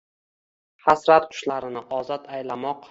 Hasrat qushlarini ozod aylamoq.